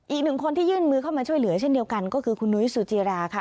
อีกหนึ่งคนที่ยื่นมือเข้ามาช่วยเหลือเช่นเดียวกันก็คือคุณนุ้ยสุจิราค่ะ